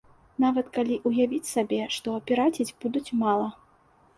Нават калі ўявіць сабе, што піраціць будуць мала.